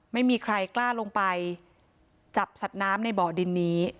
ไม่มีใครกล้าลงไปจับสัตว์น้ำในบ่อดินนี้